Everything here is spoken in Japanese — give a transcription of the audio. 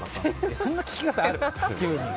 そんな聞き方ある？